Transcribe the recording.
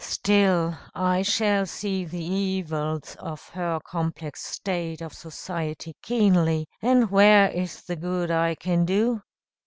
"Still I shall see the evils of her complex state of society keenly; and where is the good I can do?"